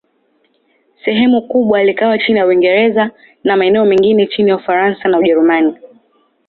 Sehemu kubwa likawa chini ya Uingereza, na maeneo mengine chini ya Ufaransa na Ujerumani.